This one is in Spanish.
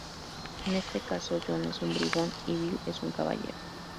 En este caso, John es un bribón y Bill es un caballero.